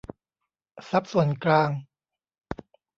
ทรัพย์ส่วนกลาง